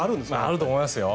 あると思いますよ。